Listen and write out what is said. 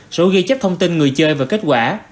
sổ ghi chép thông tin người chơi và kết quả